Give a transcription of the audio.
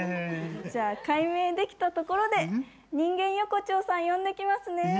じゃあ解明できたところで人間横丁さん呼んできますね。